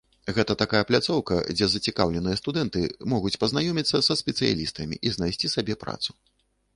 Гэта такая пляцоўка, дзе зацікаўленыя студэнты могуць пазнаёміцца са спецыялістамі і знайсці сабе працу.